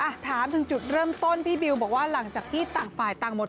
ถามถึงจุดเริ่มต้นพี่บิวบอกว่าหลังจากที่ต่างฝ่ายต่างหมด